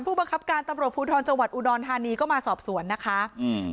ผู้บังคับการตำรวจภูทรจังหวัดอุดรธานีก็มาสอบสวนนะคะอืม